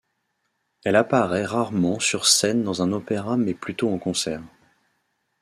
Elle apparaît rarement sur scène dans un opéra mais plutôt en concert.